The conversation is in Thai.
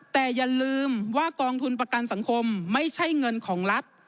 แต่อย่าลืมว่ากองทุนประกันสังคมไม่ใช่เงินของรัฐ